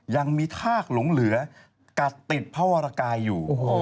ยังมีทากหลงเหลือกัดติดพระวรกายอยู่